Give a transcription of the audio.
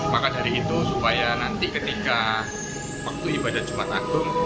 maka dari itu supaya nanti ketika waktu ibadah jumat agung